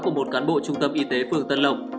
của một cán bộ trung tâm y tế phường tân lộc